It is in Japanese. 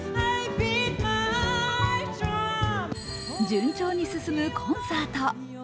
順調に進むコンサート。